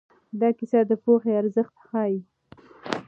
دا کیسه د پوهې ارزښت ښيي.